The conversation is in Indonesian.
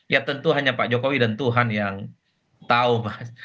ya tentu hanya pak jokowi dan tuhan yang tahu mas